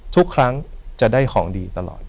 ทุกครั้งจะได้ของดีตลอด